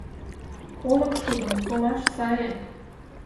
Олык шудым солаш сае -